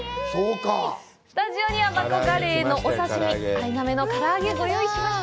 スタジオにはマコガレイのお刺身、アイナメの唐揚げをご用意しました。